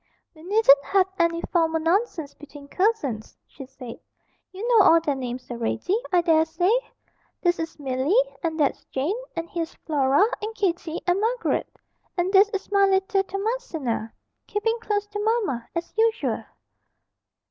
'We needn't have any formal nonsense between cousins,' she said; 'you know all their names already, I dare say. This is Milly, and that's Jane; and here's Flora, and Kitty, and Margaret, and this is my little Thomasina, keeping close to mamma, as usual.'